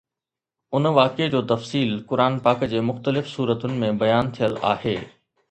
ان واقعي جو تفصيل قرآن پاڪ جي مختلف سورتن ۾ بيان ٿيل آهي